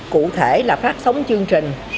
cụ thể là phát sóng chương trình